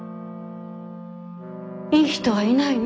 いい人はいないの？